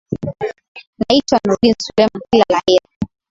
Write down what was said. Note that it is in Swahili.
naitwa nurdin selumani kila la heri